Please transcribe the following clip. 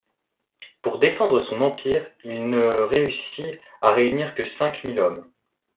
Pour défendre son empire, il ne réussit à réunir que cinq mille hommes.